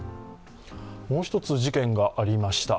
もう一つ事件がありました。